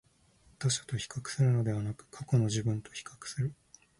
他者と比較するのではなく、過去の自分と比較する